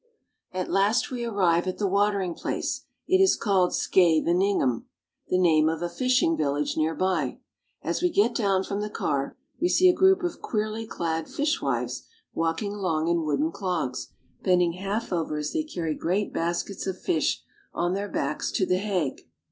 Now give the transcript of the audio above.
At last we arrive at the watering place. It is called Scheveningen (sKa/ven in Hen), the name of a fishing vil lage, near by. As we get down from the car we see a group of queerly clad fishwives walking along in wooden clogs, bending half over as they carry great baskets of fish on their backs to The Hague.